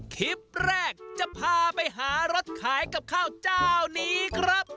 คลิปแรกจะพาไปหารถขายกับข้าวเจ้านี้ครับ